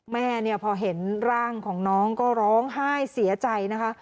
แม่เนี่ยพอเห็นร่างของน้องก็ร้องไห้เสียใจนะคะ